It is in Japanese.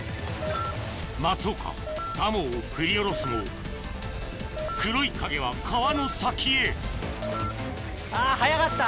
松岡タモを振り下ろすも黒い影は川の先へ速かった。